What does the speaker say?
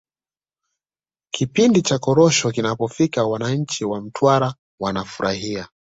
kipindi cha korosho kinapofika wananchi wa mtwara wanafurahia